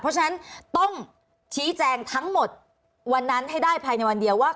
เพราะฉะนั้นต้องชี้แจงทั้งหมดวันนั้นให้ได้ภายในวันเดียวว่า